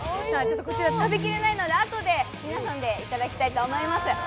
こちら食べきれないので、あとで皆さんでいただきたいと思います。